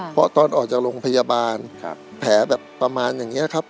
เพราะตอนออกจากโรงพยาบาลแผลแบบประมาณอย่างนี้ครับ